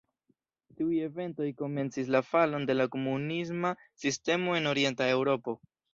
Tiuj eventoj komencis la falon de la komunisma sistemo en Orienta Eŭropo.